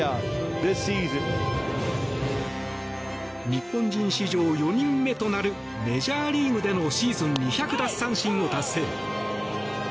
日本人史上４人目となるメジャーリーグでのシーズン２００奪三振を達成。